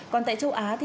còn tại châu á